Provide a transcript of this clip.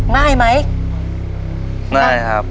ง่ายไหมง่ายครับ